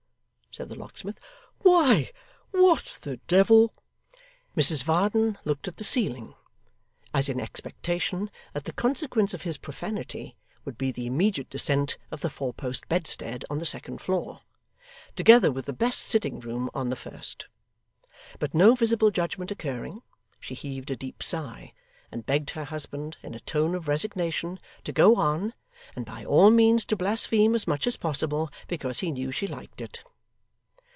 said the locksmith. 'Why, what the devil ' Mrs Varden looked at the ceiling, as in expectation that the consequence of this profanity would be the immediate descent of the four post bedstead on the second floor, together with the best sitting room on the first; but no visible judgment occurring, she heaved a deep sigh, and begged her husband, in a tone of resignation, to go on, and by all means to blaspheme as much as possible, because he knew she liked it.